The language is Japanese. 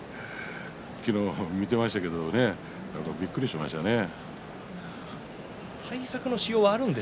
昨日見ていましたけれどもびっくりしましたね。